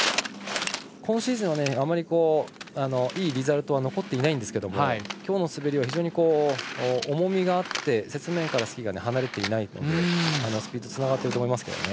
今シーズンは、あまりいいリザルトは残っていないんですけどきょうの滑りは非常に重みがあって、雪面からスキーが離れていないのでスピードつながっていると思います。